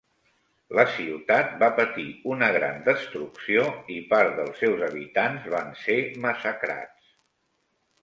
La ciutat va patir una gran destrucció i part dels seus habitants van ser massacrats.